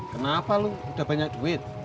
kenapa lo udah banyak duit